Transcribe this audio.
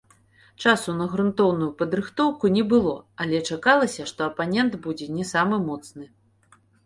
Часу на грунтоўную падрыхтоўку не было, але чакалася, што апанент будзе не самы моцны.